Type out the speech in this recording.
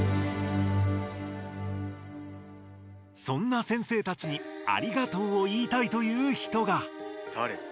そんな先生たちに「ありがとう」を言いたいという人が。